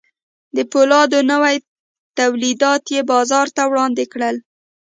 د پولادو نوي تولیدات یې بازار ته وړاندې کړل